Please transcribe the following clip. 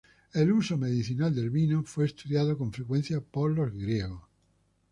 El uso medicinal del vino fue estudiado con frecuencia por los griegos.